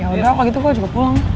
yaudah kalau gitu gua juga pulang